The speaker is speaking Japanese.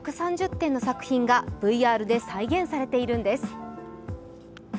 １３０点の作品がＶＲで再現されているんです。